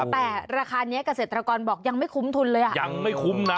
แต่ราคานี้เกษตรกรบอกยังไม่คุ้มทุนเลยอ่ะยังไม่คุ้มนะ